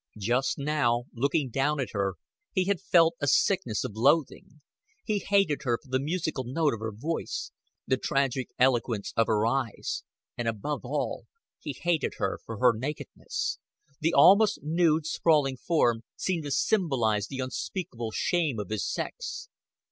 Just now, looking down at her, he had felt a sickness of loathing. He hated her for the musical note of her voice, the tragic eloquence of her eyes, and above all he hated her for her nakedness. The almost nude sprawling form seemed to symbolize the unspeakable shame of his sex.